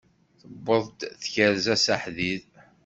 Tewweḍ tyerza s aḥdid.